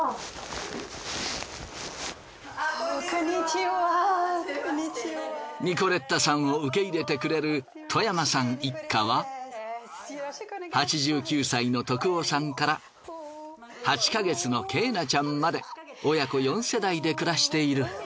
ニコレッタさんを受け入れてくれる外山さん一家は８９歳の徳男さんから８か月の桂菜ちゃんまで親子４世代で暮らしている。